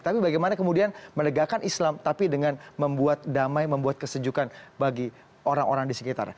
tapi bagaimana kemudian menegakkan islam tapi dengan membuat damai membuat kesejukan bagi orang orang di sekitar